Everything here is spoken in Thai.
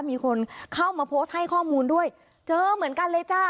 มีคนเข้ามาโพสต์ให้ข้อมูลด้วยเจอเหมือนกันเลยจ้า